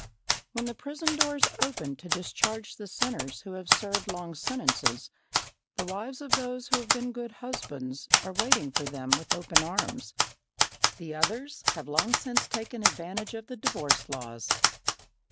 When the prison doors open to discharge the sinners who have served long sentences, the wives of those who have been good husbands are waiting for them with open arms. The others have long since taken advantage of the divorce laws.